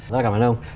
rõ ràng là cảm ơn ông